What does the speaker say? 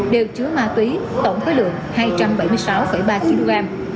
đều chứa ma túy tổng khối lượng hai trăm bảy mươi sáu ba kg